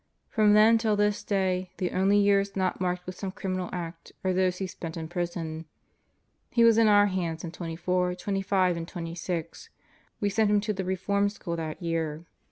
From then till this day, the only years not marked with some criminal act are those he spent in prison. He was in our hands in '24, '25, and '26. We sent him to the Reform School that year.